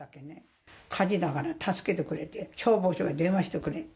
火事だから助けてくれって、消防署に電話してくれって。